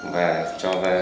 và cho ra